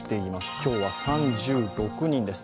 今日は３６人です。